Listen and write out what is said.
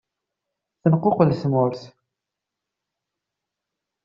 Tenquqel tmurt.